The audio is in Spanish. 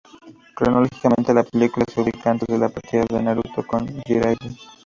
Cronológicamente la película se ubica antes de la partida de Naruto con Jiraiya.